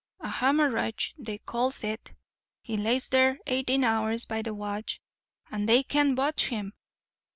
A hem'ridge they calls it. He lays there eighteen hours by the watch, and they can't budge him.